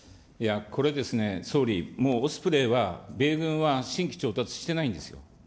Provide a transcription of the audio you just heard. これですね、総理、もうオスプレイは米軍は新規調達してないんですよ。